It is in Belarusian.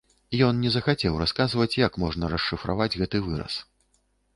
Ён не захацеў расказваць, як можна расшыфраваць гэты выраз.